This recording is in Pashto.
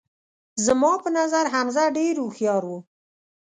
زما په نظر حمزه ډیر هوښیار وو